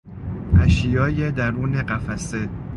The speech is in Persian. اشیای درون قفسه